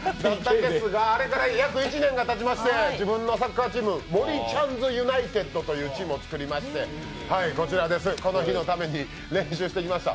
あれから約１年がたちまして自分のサッカーチーム、もりちゃんずユナイテッドというのをつくりましてこちらです、この日のために練習してきました。